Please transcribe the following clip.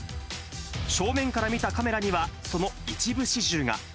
正面から見たカメラには、その一部始終が。